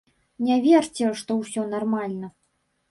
Не верце, што ўсё нармальна.